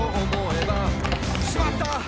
「しまった！